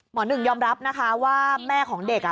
หนึ่งยอมรับนะคะว่าแม่ของเด็ก